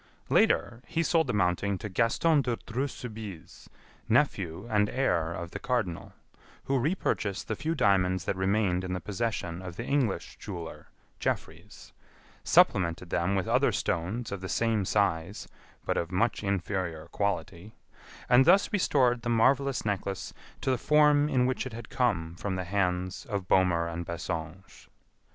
Later, he sold the mounting to Gaston de Dreux Soubise, nephew and heir of the Cardinal, who re purchased the few diamonds that remained in the possession of the English jeweler, Jeffreys; supplemented them with other stones of the same size but of much inferior quality, and thus restored the marvelous necklace to the form in which it had come from the hands of Bohmer and Bassenge.